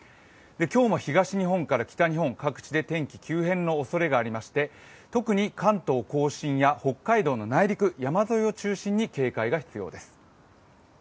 今日も東日本から北日本各地で天気急変のおそれがありまして、特に関東甲信や北海道の内陸山沿いを中心に警戒が必要です。